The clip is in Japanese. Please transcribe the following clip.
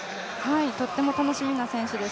とっても楽しみな選手です。